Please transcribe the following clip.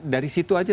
dari situ aja